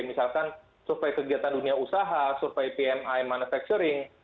misalkan survei kegiatan dunia usaha survei pmi manufacturing